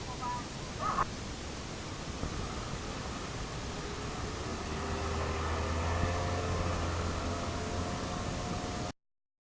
โปรดติดตามตอนต่อไป